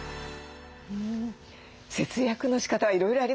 節約のしかたはいろいろありますね。